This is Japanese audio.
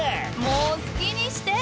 もう好きにして！